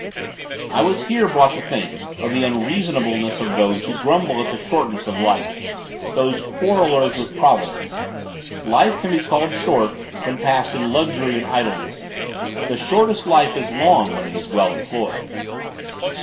I was here brought to think of the unreasonableness of those who grumble at the shortness of life, those quarrellers with providence! Life can be called short when passed in luxury and idleness. The shortest life is long when it is well employed.